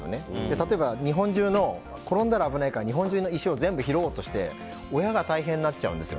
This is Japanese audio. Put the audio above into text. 例えば、転んだら危ないから日本中の石を全部拾おうとして親が大変になっちゃうんですよ。